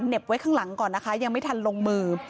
ไว้ข้างหลังก่อนนะคะยังไม่ทันลงมือ